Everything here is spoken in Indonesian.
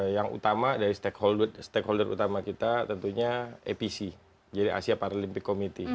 yang utama dari stakeholder utama kita tentunya apc jadi asia paralympic committee